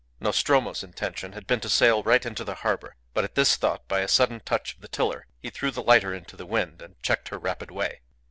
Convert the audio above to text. Nostromo's intention had been to sail right into the harbour; but at this thought by a sudden touch of the tiller he threw the lighter into the wind and checked her rapid way.